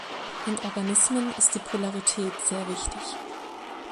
In Organismen ist die Polarität sehr wichtig.